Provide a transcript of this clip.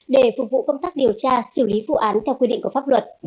để phục vụ công tác điều tra xử lý vụ án theo quy định của pháp luật